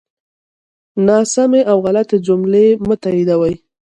ناسمی او غلطی جملی مه تاییدوی